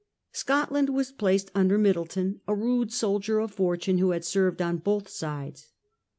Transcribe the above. Scotland was placed under Middleton, a rude soldier of fortune who had served on both sides.